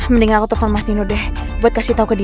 mendingan aku telepon mas dino deh buat kasih tau ke dia